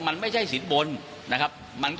มันไม่ใช่สินบนนะครับ